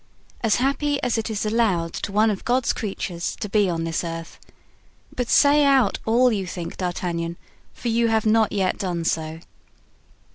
"As happy as it is allowed to one of God's creatures to be on this earth; but say out all you think, D'Artagnan, for you have not yet done so."